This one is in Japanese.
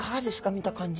見た感じ。